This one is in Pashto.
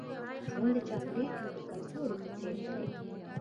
ژوند د چاکلیټو د کڅوړې په څیر دی.